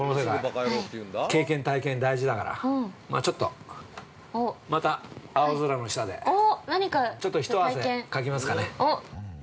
経験、体験大事だから、ちょっとまた青空の下で、ひと汗かきますかね。